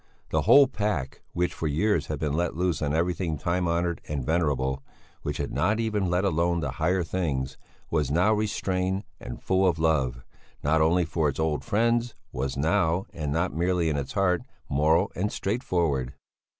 The whole pack, which for years had been let loose on everything time honoured and venerable, which had not even let alone the higher things, was now restrained and full of love not only for its old friends was now and not merely in its heart moral and straightforward.